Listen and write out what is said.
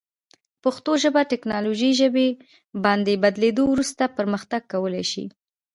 پښتو ژبه تکنالوژي ژبې باندې بدلیدو وروسته پرمختګ کولی شي.